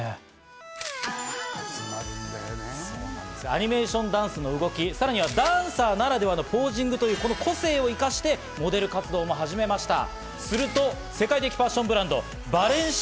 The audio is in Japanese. アニメーションダンスの動き、さらにはダンサーならではのポージングという個性を生かしてモデル活動も始めました。